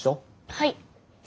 はい。